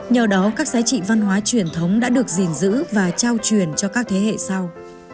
nhờ đó các giá trị văn hóa truyền thống đã được gìn giữ và trao truyền cho các thế hệ sau